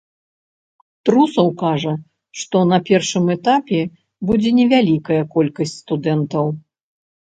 Трусаў кажа, што на першым этапе будзе невялікая колькасць студэнтаў.